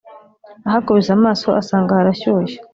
ahakubise amaso, asanga harashyushye,